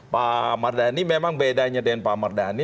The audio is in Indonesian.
pak mardani memang bedanya dengan pak mardani